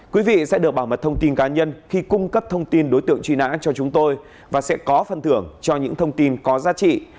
quý vị sẽ được bảo mật thông tin cá nhân khi cung cấp thông tin đối tượng truy nã cho chúng tôi và sẽ có phần thưởng cho những thông tin có giá trị